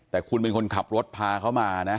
แต่คุณเป็นคนขับรถพาเขามานะ